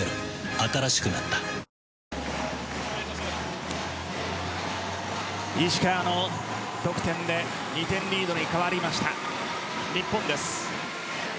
新しくなった石川の得点で２点リードに変わりました日本です。